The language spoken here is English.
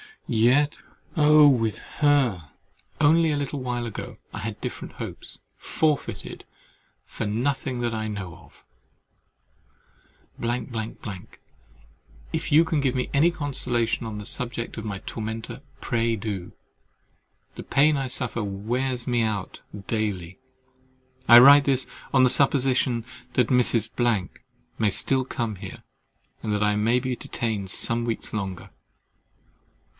Yet, oh! with her, only a little while ago, I had different hopes, forfeited for nothing that I know of! If you can give me any consolation on the subject of my tormentor, pray do. The pain I suffer wears me out daily. I write this on the supposition that Mrs. —— may still come here, and that I may be detained some weeks longer.